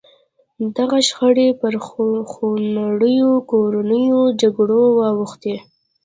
دغه شخړې پر خونړیو کورنیو جګړو واوښتې.